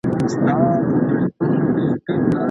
دوی يو د بل خبرې او نظرونه تائيد کړل.